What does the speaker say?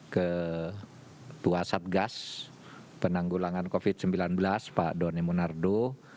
ketua satgas penanggulangan covid sembilan belas pak doni monardo